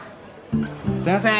すいませーん。